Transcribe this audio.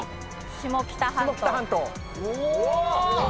下北半島。